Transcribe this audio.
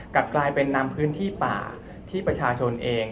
กลับกลายเป็นนำพื้นที่ป่าที่ประชาชนเอง